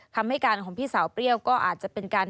คำให้การของพี่สาวเปรี้ยวก็อาจจะเป็นการ